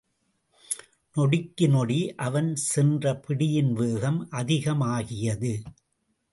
நொடிக்கு நொடி அவன் சென்ற பிடியின் வேகம் அதிகமாகியது.